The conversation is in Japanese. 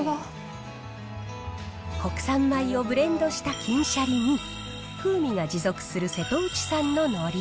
国産米をブレンドした金しゃりに、風味が持続する瀬戸内産ののり。